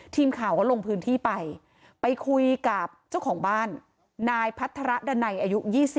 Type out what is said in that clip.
ทีมข่าวก็ลงพื้นที่ไปไปคุยกับเจ้าของบ้านนายพัฒระดันัยอายุ๒๓